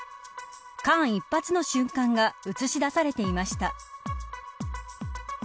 間一髪の瞬間が映し出されていました。